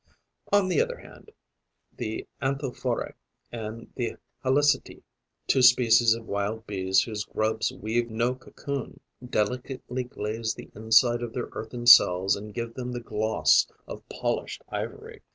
On the other hand, the Anthophorae and the Halicti, two species of Wild Bees whose grubs weave no cocoon, delicately glaze the inside of their earthen cells and give them the gloss of polished ivory.